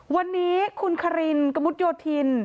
วันนี้คุณคารินกะมุดโยธิน